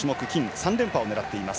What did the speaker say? ３連覇を狙っています。